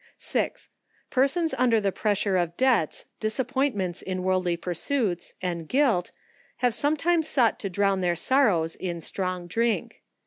6. Persons under the pressure of debt, disappointments in worldly pursuits, and guilt, have sometimes sought to drown their sorrows in strong drink.